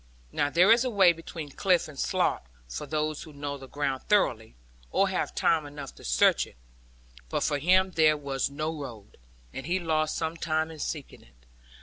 Now there is a way between cliff and slough for those who know the ground thoroughly, or have time enough to search it; but for him there was no road, and he lost some time in seeking it.